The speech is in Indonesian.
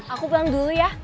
aku pulang dulu ya